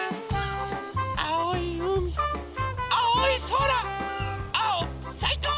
あおいうみあおいそら！あおさいこう！